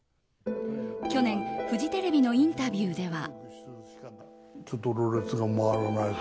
去年、フジテレビのインタビューでは。